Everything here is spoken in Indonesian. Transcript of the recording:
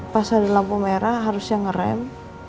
pas hari lampu merah harusnya ngerem